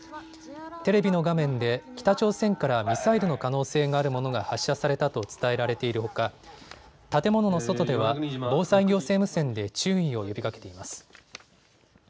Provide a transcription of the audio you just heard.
テレビの画面で北朝鮮からミサイルの可能性があるものが発射されたと伝えられているほか、建物の外では防災行政無線で注意を呼びかけています。